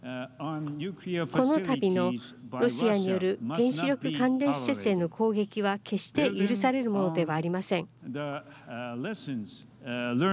このたびのロシアによる原子力関連施設への攻撃は決して許されるものではありません。